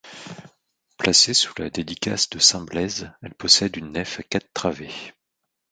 Placée sous la dédicace de saint Blaise, elle possède une nef à quatre travées.